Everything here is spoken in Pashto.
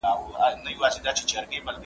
زه مخکي ځواب ليکلی و!.